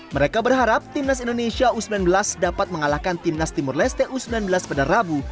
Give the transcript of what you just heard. mereka berharap timnas indonesia u sembilan belas dapat mengalahkan timnas timur leste u sembilan belas pada rabu